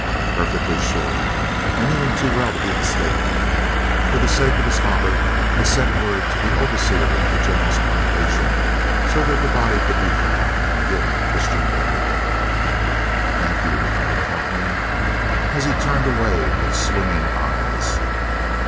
"Perfectly sure. I knew him too well to be mistaken. For the sake of his father, I sent word to the overseer of the General's plantation so that the body could be found, and given Christian burial." "Thank you," replied Calhoun, as he turned away with swimming eyes.